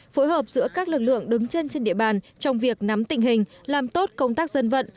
phối hợp giữa các lực lượng đứng chân trên địa bàn trong việc nắm tình hình làm tốt công tác dân vận